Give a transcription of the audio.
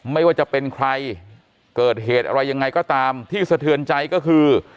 ไม่ว่าจะเป็นใครเกิดเหตุอะไรยังไงก็ตามที่สะเทือนใจก็คือ